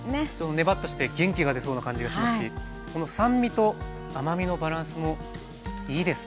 ネバッとして元気が出そうな感じがしますしこの酸味と甘みのバランスもいいですね。